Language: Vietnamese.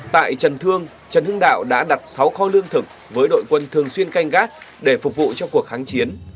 tại trần thương trần hưng đạo đã đặt sáu kho lương thực với đội quân thường xuyên canh gác để phục vụ cho cuộc kháng chiến